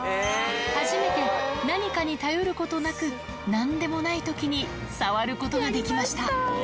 初めて何かに頼ることなく、なんでもないときに、触ることができました。